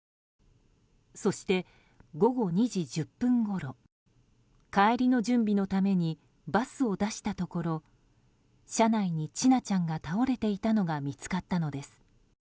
そして午後２時１０分ごろ帰りの準備のためにバスを出したところ車内に千奈ちゃんが倒れていたのが見つかったのです。